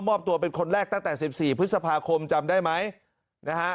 มอบตัวเป็นคนแรกตั้งแต่สิบสี่พฤษภาคมจำได้ไหมนะฮะ